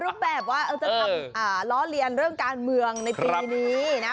รูปแบบว่าเราจะทำล้อเลียนเรื่องการเมืองในปีนี้นะ